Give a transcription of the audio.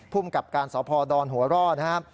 พุ่มกรรมการเสาภอดรหัวล่อปภ